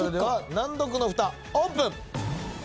難読のふたオープン。